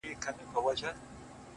چي بیا به څه ډول حالت وي ـ د ملنگ ـ